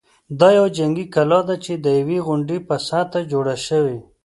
دا یوه جنګي کلا ده چې د یوې غونډۍ په سطحه جوړه شوې.